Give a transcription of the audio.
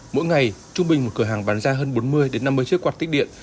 mỗi ngày trung bình một cửa hàng bán ra hơn bốn mươi năm mươi chiếc quạt tích điện